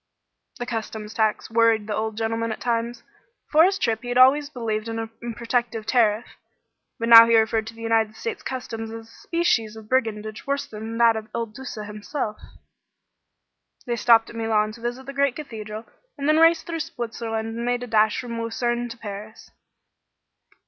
This customs tax worried the old gentleman at times. Before this trip he had always believed in a protective tariff, but now he referred to the United States customs as a species of brigandage worse than that of Il Duca himself. They stopped at Milan to visit the great cathedral, and then raced through Switzerland and made a dash from Luzerne to Paris.